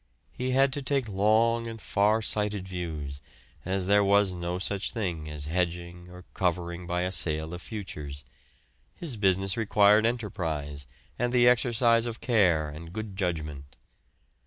He had to take long and far sighted views, as there was no such thing as hedging or covering by a sale of futures; his business required enterprise and the exercise of care and good judgment.